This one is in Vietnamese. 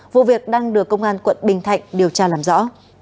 vụ việc đang được công an quận bình thạnh điều tra làm rõ